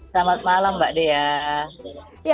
selamat malam mbak dea